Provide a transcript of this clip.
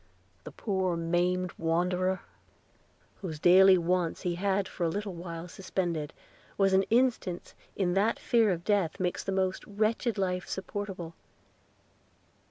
The poor maimed wanderer, whose daily wants he had for a little while suspended, was an instance that the fear of death makes the most wretched life supportable.